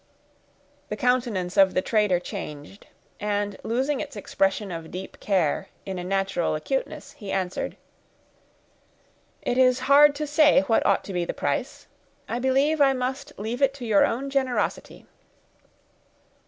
The countenance of the trader changed, and, losing its expression of deep care in a natural acuteness, he answered,— "It is hard to say what ought to be the price; I believe I must leave it to your own generosity."